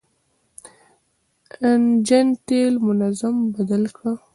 انجن تېل منظم بدل کړه.